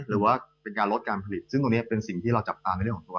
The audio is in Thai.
หรือว่าเป็นการลดการผลิตซึ่งตรงนี้เป็นสิ่งที่เราจับตาในเรื่องของตัว